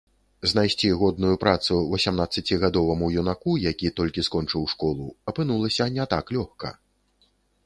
Знайсці годную працу васямнаццацігадоваму юнаку, які толькі скончыў школу, апынулася не так лёгка.